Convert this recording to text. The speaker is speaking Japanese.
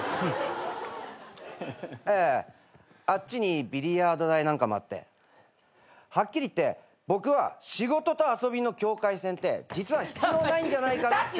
ええあっちにビリヤード台なんかもあってはっきり言って僕は仕事と遊びの境界線って実は必要ないんじゃないかなって。